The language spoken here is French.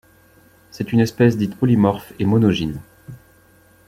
C'est une espèce dite polymorphe et monogyne.